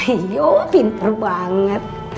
iya pinter banget